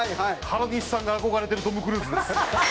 原西さんが憧れてるトム・クルーズです。